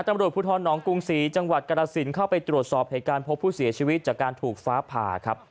ตำรวจภูทรหนองกรุงศรีจังหวัดกรสินเข้าไปตรวจสอบเหตุการณ์พบผู้เสียชีวิตจากการถูกฟ้าผ่าครับ